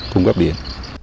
cung cấp điện